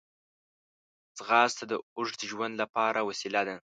ځغاسته د اوږد ژوند لپاره وسیله ده